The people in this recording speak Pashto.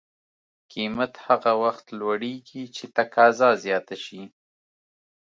قیمت هغه وخت لوړېږي چې تقاضا زیاته شي.